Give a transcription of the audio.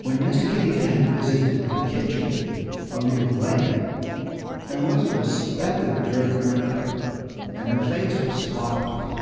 When Miss Kitty Cat visited the kitchen a little later there wasn't a speck of dirt on her coat. And her face was spotless.